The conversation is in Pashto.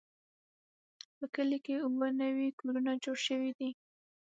په کلي کې اووه نوي کورونه جوړ شوي دي.